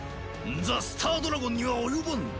ザ・スタードラゴンには及ばぬ。